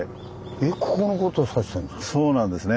えっここのことを指してんですか？